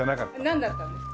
なんだったんですか？